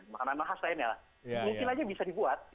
makanan khas lainnya mungkin aja bisa dibuat